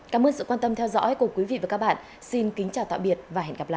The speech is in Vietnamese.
cảm ơn sự quan tâm theo dõi của quý vị và các bạn xin kính chào tạm biệt và hẹn gặp lại